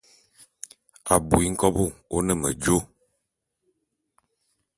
Abui nkôbo o ne medjo.